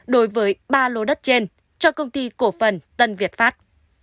đối với ba lô đất trên cho công ty cổ phần tân việt pháp